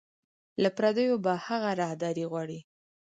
له پردیو به هغه راهداري غواړي